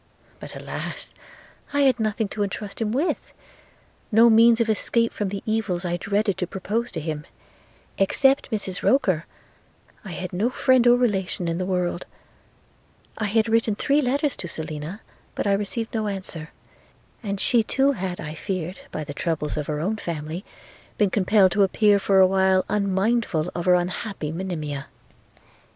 But, alas! I had nothing to entrust him with – no means of escape from the evils I dreaded to propose to him – except Mrs Roker, I had no friend or relation in the world – I had written three letters to Selina, but I received no answer – and she too had, I feared, by the troubles of her own family, been compelled to appear for a while unmindful of her unhappy Monimia.